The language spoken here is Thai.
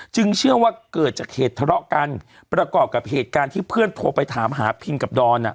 เชื่อว่าเกิดจากเหตุทะเลาะกันประกอบกับเหตุการณ์ที่เพื่อนโทรไปถามหาพิมกับดอน